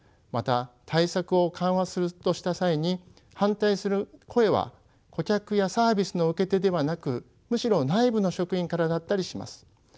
また対策を緩和するとした際に反対する声は顧客やサービスの受け手ではなくむしろ内部の職員からだったりします。